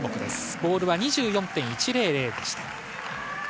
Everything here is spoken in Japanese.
ボールは２４．１００でした。